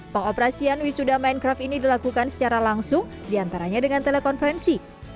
pengoperasian wisuda mindcraft ini dilakukan secara langsung diantaranya dengan telekonferensi